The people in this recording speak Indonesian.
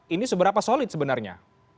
ini seberapa solid sebenarnya